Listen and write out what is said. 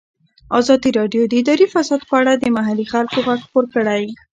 ازادي راډیو د اداري فساد په اړه د محلي خلکو غږ خپور کړی.